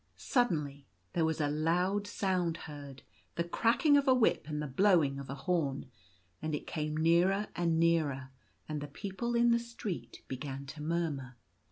Suddenly there was a loud sound heard — the cracking of a whip and the blowing of a horn — and it came nearer and nearer, and the people in the street began to murmur.